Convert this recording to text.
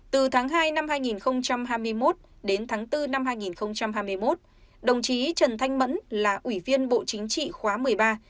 từ tháng hai năm hai nghìn hai mươi một đến tháng bốn năm hai nghìn hai mươi một đồng chí trần thanh mẫn là ủy viên bộ chính trị khóa một mươi ba